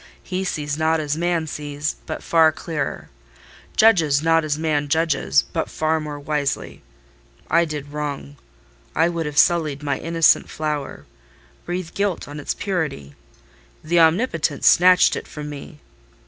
He sees not as man sees, but far clearer: judges not as man judges, but far more wisely. I did wrong: I would have sullied my innocent flower—breathed guilt on its purity: the Omnipotent snatched it from me.